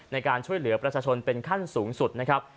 ในการช่วยเหลือประชาชนเป็นขั้นสูงสุดนะครับ